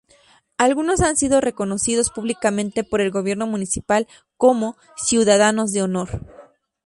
Algunos han sido reconocidos públicamente por el gobierno municipal como "Ciudadanos de Honor".